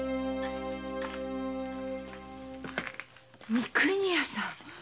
三国屋さん。